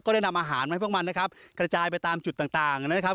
ได้นำอาหารมาให้พวกมันนะครับกระจายไปตามจุดต่างต่างนะครับ